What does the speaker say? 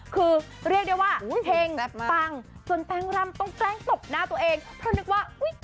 คือเรียกได้ว่าเห็งปังจนแป้งร่ำต้องแกล้งตบหน้าตัวเองเพราะนึกว่าอุ้ย